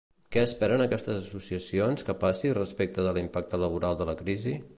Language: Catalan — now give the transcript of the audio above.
Què esperen aquestes associacions que passi respecte de l'impacte laboral de la crisi?